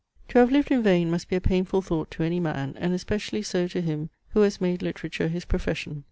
To have lived in vain must be a painful thought to any man, and especially so to him who has made literature his profession.